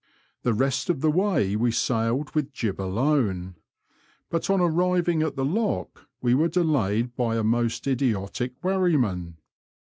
The rest of the way we sailed with jib alone, but on arriving at the lock we were delayed by a most idiotic wherryman.